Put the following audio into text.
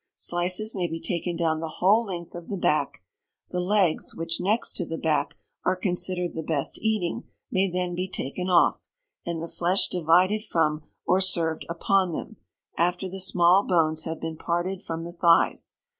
Slices may be taken down the whole length of the back; the legs, which, next to the back, are considered the best eating, may then be taken off, and the flesh divided from or served upon them, after the small bones have been parted from the thighs.